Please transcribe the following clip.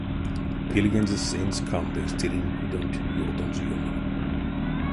Пильгензэ сынсь кандызь тиринь кудонть юртонзо ёнов.